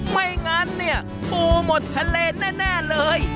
ไม่งั้นเนี่ยปูหมดทะเลแน่เลย